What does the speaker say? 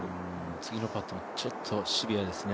次のパット、ちょっとシビアですね。